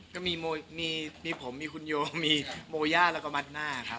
ก็มีผมมีคุณโยมมีโมย่าแล้วก็มัดหน้าครับ